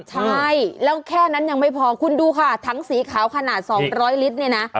ใช่แล้วแค่นั้นยังไม่พอคุณดูค่ะถังสีขาวขนาด๒๐๐ลิตรเนี่ยนะ